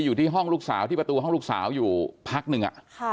อยู่ที่ห้องลูกสาวที่ประตูห้องลูกสาวอยู่พักหนึ่ง